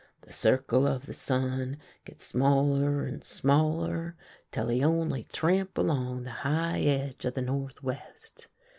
The circle of the sun get smaller and smaller, till he only tramp along the high edge of the northwest.